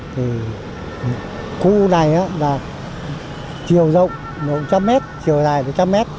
thì khu này là chiều rộng một trăm linh m chiều dài một trăm linh m